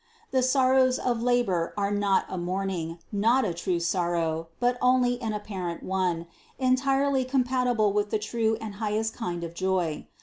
The sor rows of labor are not a mourning, not a true sorrow, but only an apparent one, entirely compatible with the true and the highest kind of joy.